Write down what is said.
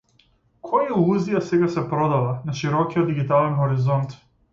Која илузија сега се продава на широкиот дигитален хоризонт?